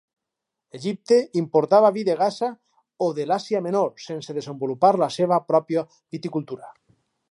Egipte importava vi de Gaza o de l'Àsia Menor sense desenvolupar la seva pròpia viticultura.